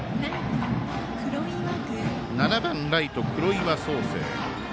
７番ライト、黒岩宗征。